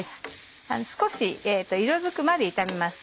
少し色づくまで炒めます。